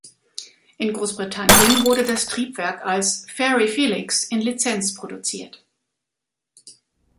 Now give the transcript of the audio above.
In Großbritannien wurde das Triebwerk als "Fairey Felix" in Lizenz produziert.